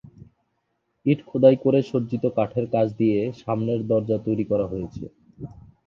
ইট খোদাই করো সজ্জিত কাঠের কাজ দিয়ে সামনের দরজা তৈরি করা হয়েছে।